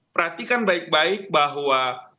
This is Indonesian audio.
perhatikan baik baik bahwa